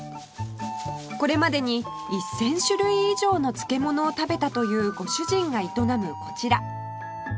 これまでに１０００種類以上の漬物を食べたというご主人が営むこちら